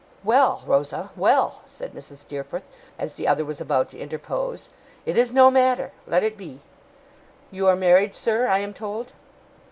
'Well, Rosa, well!' said Mrs. Steerforth, as the other was about to interpose, 'it is no matter. Let it be. You are married, sir, I am told?